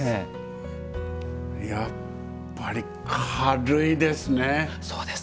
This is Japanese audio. やっぱり軽いですね。